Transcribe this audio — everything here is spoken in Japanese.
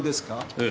ええ。